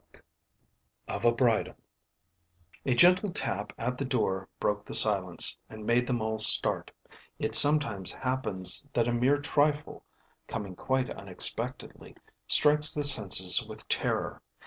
VI. OF A BRIDAL A gentle tap at the door broke the silence, and made them all start: it sometimes happens that a mere trifle, coming quite unexpectedly, strikes the senses with terror.